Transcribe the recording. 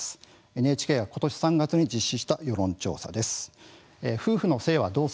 ＮＨＫがことし３月に実施した世論調査です。